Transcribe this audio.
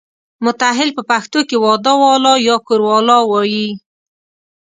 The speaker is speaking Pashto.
متاهل په پښتو کې واده والا یا کوروالا وایي.